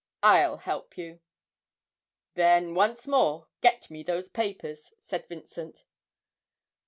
I'll help you!' 'Then, once more, get me those papers,' said Vincent.